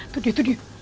tuh dia tuh dia